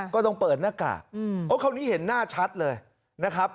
ก็ต้องเปิดหน้ากากโอ้คราวนี้เห็นหน้าชัดเลยนะครับ